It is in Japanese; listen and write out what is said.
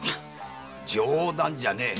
冗談じゃねえ